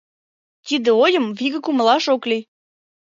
Тиде ойым вигак умылаш ок лий.